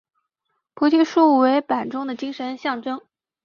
菩提树为板中的精神象征。